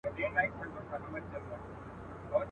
بیا فرنګ په وینو رنګ وي بیا مي ږغ د اکبرخان کې.